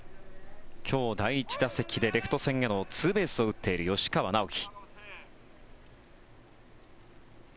今日第１打席でレフト線へのツーベースを打っている吉川尚輝。